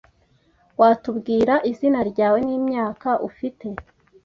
Watubwira izina ryawe n’imyaka ufite